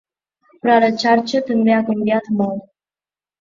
Però la xarxa també ha canviat molt.